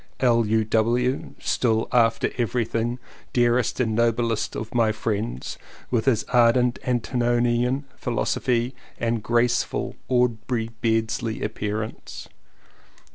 L.U.W. (still after everything dearest and noblest of my friends), with his ardent antinomian phil osophy and graceful Aubrey Beardsley appearance.